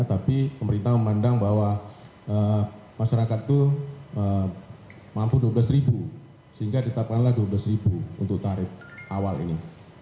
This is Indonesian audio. tapi pemerintah memandang bahwa masyarakat itu mampu rp dua belas sehingga ditetapkanlah rp dua belas untuk tarif awal ini